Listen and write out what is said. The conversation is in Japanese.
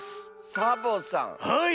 サボさんはい。